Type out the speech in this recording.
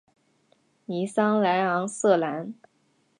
尼桑莱昂瑟兰。